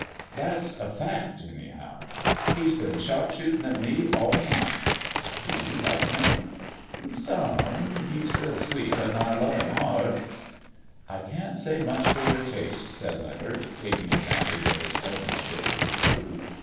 " That's a fact, anyhow. He's been sharp* shootin' at me all night." " Do you like him ]"" Some. He*s real sweet, and I love him hard." " I can't say much for your taste," said Leonard, taking advantage of his cousinship to be rude.